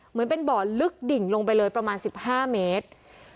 เหมือนเป็นบ่อลึกดิ่งลงไปเลยประมาณ๑๕เมตร